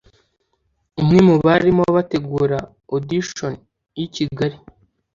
umwe mu barimo bategura audition y’i Kigali